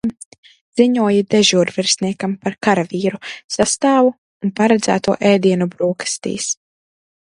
Ziņoju dežūrvirsniekam par karavīru sastāvu un paredzēto ēdienu brokastīs.